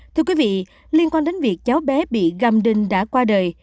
thưa quý vị liên quan đến việc cháu bé bị găm đinh đã qua đời